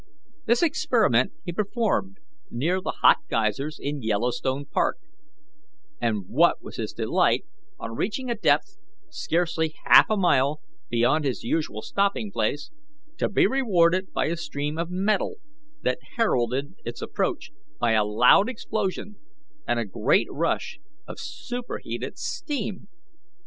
This experiment he performed near the hot geysers in Yellowstone Park, and what was his delight, on reaching a depth scarcely half a mile beyond his usual stopping place, to be rewarded by a stream of metal that heralded its approach by a loud explosion and a great rush of superheated steam!